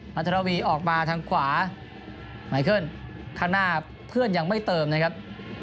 รัฐวีออกมาทางขวาไมเคิลข้างหน้าเพื่อนยังไม่เติมนะครับ